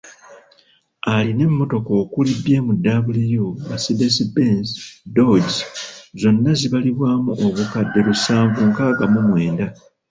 Alina emmotoka okuli; BMW, Mercedes Benz, Dodge, zonna zibalirirwamu obukadde lusanvu nkaaga mu wenda.